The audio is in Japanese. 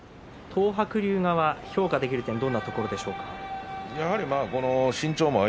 東白龍側、評価できる点はどんなところでしょうか？